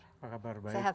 apa kabar baik semangat baik